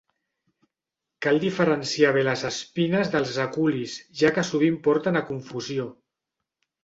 Cal diferenciar bé les espines dels aculis, ja que sovint porten a confusió.